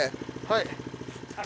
はい。